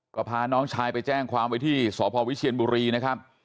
ก็พาน้องชายไปแจ้งความไว้ที่สพวิเชียนบุรีนะครับ